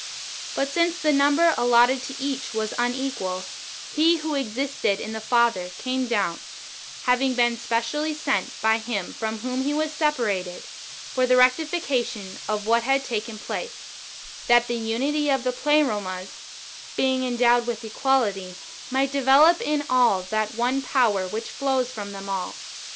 But since the number allotted to each was unequal, He wdio existed in the Father came down, having been specially sent by Him from whom He w^as separated, for the rectification of what had taken place, that the unity of the Pleromas, being endowed with equality, might develop in all that one power which flows from all.